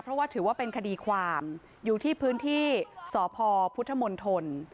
เพราะว่าถือว่าเป็นคดีความอยู่ที่พื้นที่สพพุทธมนตร